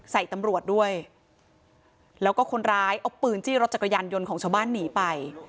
ใส่ตำรวจด้วยแล้วก็คนร้ายเอาปืนจี้รถจักรยานยนต์ของชาวบ้านหนีไป